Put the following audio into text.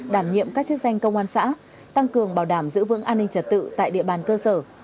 đảm nhiệm các chức danh công an xã tăng cường bảo đảm giữ vững an ninh trật tự tại địa bàn cơ sở